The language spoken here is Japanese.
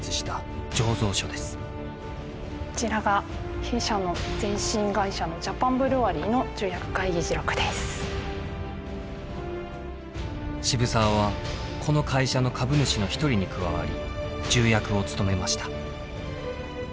こちらが弊社の前身会社の渋沢はこの会社の株主の一人に加わり重役を務めました。